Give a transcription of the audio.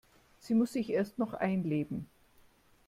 Sie muss sich erst noch einleben.